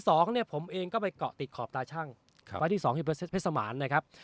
สองเนี่ยผมเองก็ไปเกาะติดขอบตาชั่งครับวันที่สองคือเพชรสมานนะครับ